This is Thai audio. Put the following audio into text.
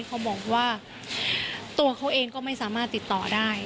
เขาก็บอกว่าตัวเขาเองก็ไม่ติดต่อได้